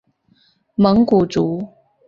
蒙古族。